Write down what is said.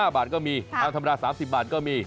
๕บาทก็มีทางธรรมดา๓๐บาทก็มี